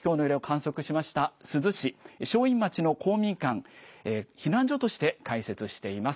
震度６強の揺れを観測しました珠洲市正院町の公民館、避難所として開設しています。